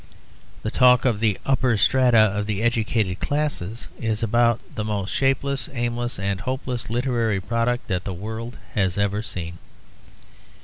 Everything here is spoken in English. The talk of the upper strata of the educated classes is about the most shapeless, aimless, and hopeless literary product that the world has ever seen.